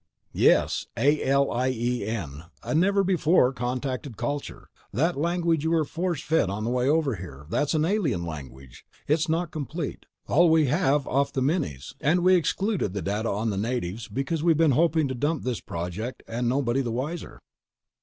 "Yes. A L I E N! A never before contacted culture. That language you were force fed on the way over, that's an alien language. It's not complete ... all we have off the minis. And we excluded data on the natives because we've been hoping to dump this project and nobody the wiser."